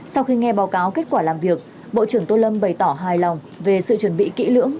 sau khi nghe báo cáo kết quả làm việc bộ trưởng tô lâm bày tỏ hài lòng về sự chuẩn bị kỹ lưỡng